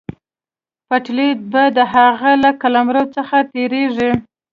پټلۍ به د هغه له قلمرو څخه تېرېږي.